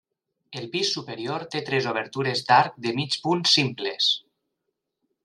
El pis superior té tres obertures d’arc de mig punt simples.